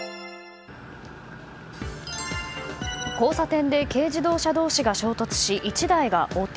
交差点で軽自動車同士が衝突し１台が横転